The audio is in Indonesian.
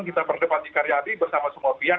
kita berdepati karyari bersama semua pihak